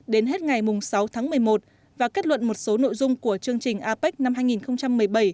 đến hết ngày sáu tháng một mươi một và kết luận một số nội dung của chương trình apec năm hai nghìn một mươi bảy